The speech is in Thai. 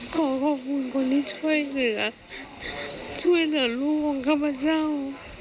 ขอขอบคุณคนที่ช่วยเหลือช่วยเหลือลูกของข้าพเจ้า